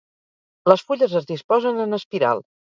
Les fulles es disposen en espiral.